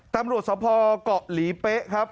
ตำรวจสภเกาะหลีเป๊ะครับ